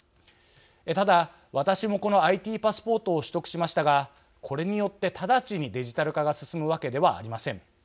ただ、私もこのＩＴパスポートを取得しましたがこれによって直ちにデジタル化が進むわけではありません。